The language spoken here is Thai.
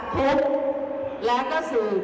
คลายทุกข์